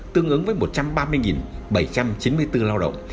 tương ứng với một trăm ba mươi bảy trăm chín mươi bốn lao động